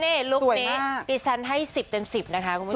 นี่ลุคนี้ดิฉันให้๑๐เต็ม๑๐นะคะคุณผู้ชม